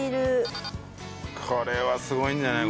これはすごいんじゃない？